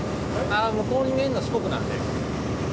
向こうに見えるのは四国なので。